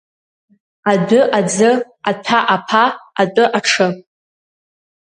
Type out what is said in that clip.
Адәы аӡы, аҭәа аԥа, атәы аҽы.